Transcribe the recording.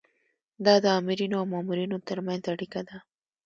دا د آمرینو او مامورینو ترمنځ اړیکه ده.